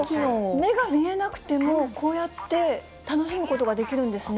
目が見えなくても、こうやって楽しむことができるんですね。